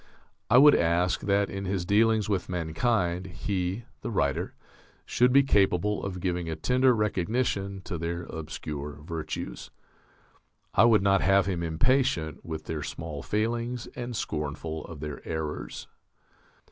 I would ask that in his dealings with mankind he [the writer] should be capable of giving a tender recognition to their obscure virtues. I would not have him impatient with their small failings and scornful of their errors.